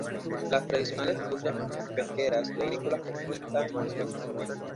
Las tradicionales industrias pesqueras y agrícolas completan su economía.